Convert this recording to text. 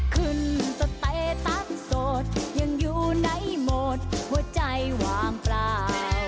ขึ้นสเตตัสโสดยังอยู่ในโหมดหัวใจวางเปล่า